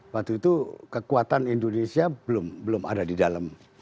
waktu itu kekuatan indonesia belum belum ada di dalam